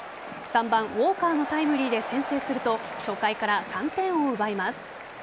３番・ウォーカーのタイムリーで先制すると初回から３点を奪います。